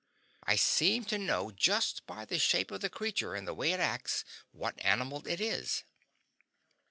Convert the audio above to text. I seem to know just by the shape of the creature and the way it acts what animal it is.